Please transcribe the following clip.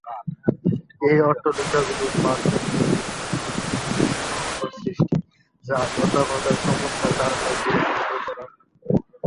এই অট্টালিকা গুলো পাশ্চাত্য শিল্প সংস্কৃতির এক অনন্য সৃষ্টি, যার লতাপাতার চমৎকার কারুকাজ গুলো মুগ্ধ করার মতো।